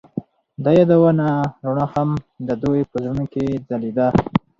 د یادونه رڼا هم د دوی په زړونو کې ځلېده.